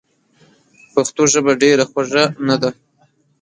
پښتو ژبه ډېره خوږه نده؟!